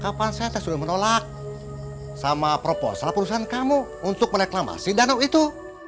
kapan saya sudah menolak sama proposal perusahaan kamu untuk mereklamasi danau itu